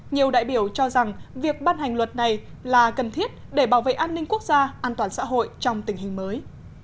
nhiều đại biểu cho rằng việc ban hành luật này là cần thiết để bảo vệ an ninh quốc gia an toàn xã hội trong tình hình mới